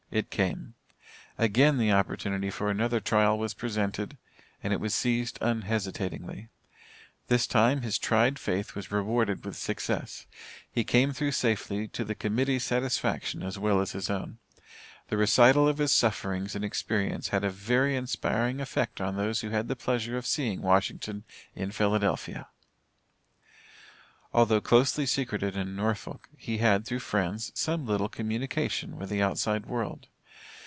It came. Again the opportunity for another trial was presented, and it was seized unhesitatingly. This time, his tried faith was rewarded with success. He came through safely to the Committee's satisfaction as well as his own. The recital of his sufferings and experience had a very inspiring effect on those who had the pleasure of seeing Wash. in Philadelphia. Although closely secreted in Norfolk, he had, through friends, some little communication with the outside world.